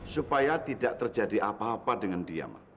supaya tidak terjadi apa apa dengan dia